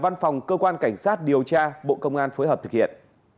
văn phòng cơ quan cảnh sát điều tra bộ công an phối hợp thực hiện